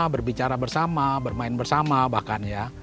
berbicara bersama bermain bersama bahkan ya